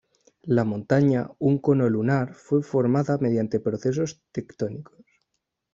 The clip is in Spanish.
La montaña, un cono lunar, fue formada mediante procesos tectónicos.